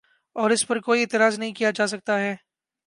اور اس پر کوئی اعتراض نہیں کیا جا سکتا کہ